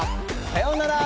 さようなら！